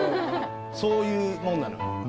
そういうもんなのよ。